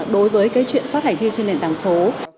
đối với cái chuyện phát hành vi trên nền tảng số